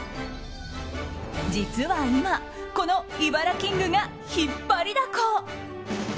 実は今、このイバラキングが引っ張りだこ。